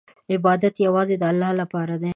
عبادت یوازې د الله لپاره دی.